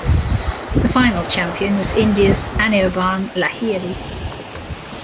The final champion was India's Anirban Lahiri.